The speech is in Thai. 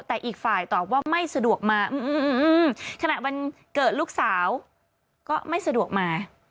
แต่อีกฝ่ายตอบว่าไม่สะดวกมาขณะวันเกิดลูกสาวก็ไม่สะดวกมา